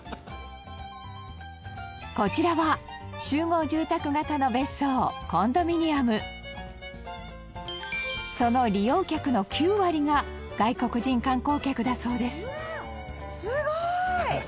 こちらは、集合住宅型の別荘コンドミニアムその利用客の９割が外国人観光客だそうです村上：すごい！